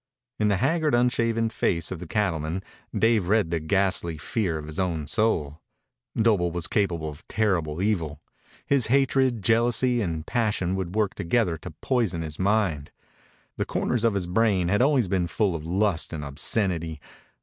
In the haggard, unshaven face of the cattleman Dave read the ghastly fear of his own soul. Doble was capable of terrible evil. His hatred, jealousy, and passion would work together to poison his mind. The corners of his brain had always been full of lust and obscenity.